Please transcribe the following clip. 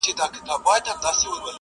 ځاله د زمرو سوه په نصیب د سورلنډیو،